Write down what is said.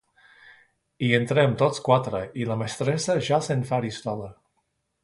Hi entrem tots quatre i la mestressa ja s'enfaristola.